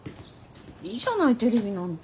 いいじゃないテレビなんて。